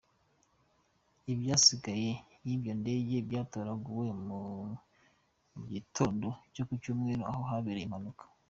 Ibyasigaye by'iyo ndege byatoraguwe mu gitondo cyo ku cyumweru aho habereye impanuka.